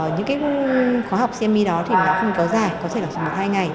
những khoa học cme đó thì nó không có dài có thể là một hai ngày